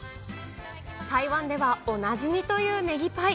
台湾ではおなじみというネギパイ。